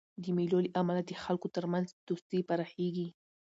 د مېلو له امله د خلکو ترمنځ دوستي پراخېږي.